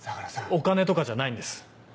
お金とかじゃないんです。